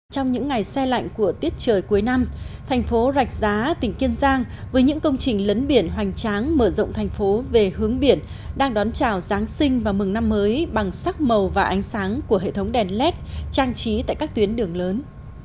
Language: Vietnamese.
trong những ngày xe lạnh của tiết trời cuối năm thành phố rạch giá tỉnh kiên giang với những công trình lấn biển hoành tráng mở rộng thành phố về hướng biển đang đón chào giáng sinh và mừng năm mới bằng sắc màu và ánh sáng của hệ thống đèn led trang trí tại các tuyến đường lớn